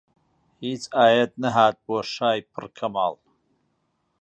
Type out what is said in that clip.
هیچ ئایەت نەهات بۆ شای پڕ کەماڵ